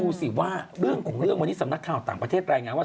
ดูสิว่าเรื่องของเรื่องวันนี้สำนักข่าวต่างประเทศรายงานว่า